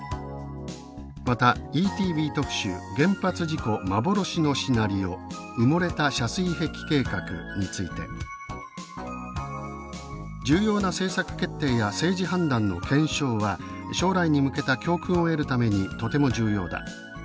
またＥＴＶ特集「原発事故・幻のシナリオ埋もれた遮水壁計画」について「重要な政策決定や政治判断の検証は将来に向けた教訓を得るためにとても重要だ。